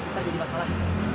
ntar jadi masalah